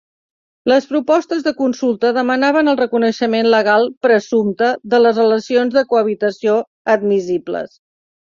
Les propostes de consulta demanaven el reconeixement legal "presumpte" de les relacions de cohabitació "admissibles".